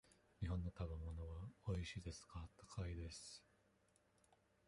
日本の食べ物はおいしいですが、高いです。